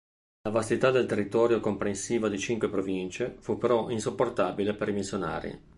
La vastità del territorio, comprensiva di cinque province, fu però insopportabile per i missionari.